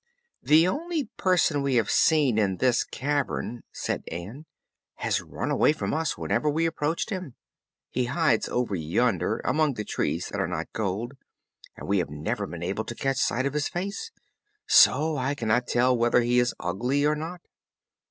"The only person we have seen in this cavern," said Ann, "has run away from us whenever we approached him. He hides over yonder, among the trees that are not gold, and we have never been able to catch sight of his face. So I cannot tell whether he is ugly or not."